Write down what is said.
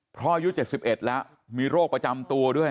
เพราะอายุ๗๑แล้วมีโรคประจำตัวด้วย